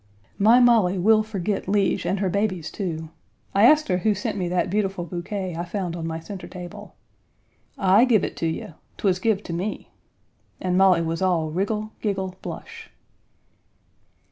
My Molly will forget Lige and her babies, too. I asked her who sent me that beautiful bouquet I found on my center table. "I give it to you. 'Twas give to me." And Molly was all wriggle, giggle, blush.